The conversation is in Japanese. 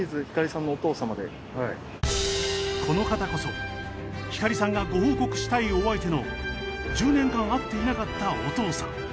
この方こそひかりさんがご報告したいお相手の１０年間会っていなかったお父さん。